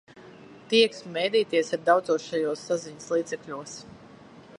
Tieksme mēdīties ir daudzos šajos saziņas līdzekļos.